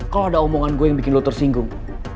kalau ada omongan gue yang bikin lo tersinggung